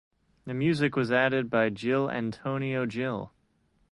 The music was added by Gil Antonio Gil.